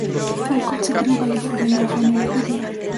Alcott se crio en California en una familia judía.